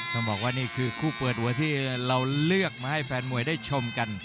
ต้องบอกว่านี่คือคู่เปิดหัวที่เราเลือกมาให้แฟนมวยได้ชมกัน